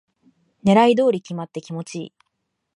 狙い通りに決まって気持ちいい